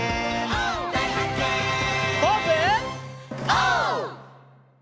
オー！